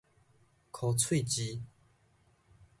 箍喙舌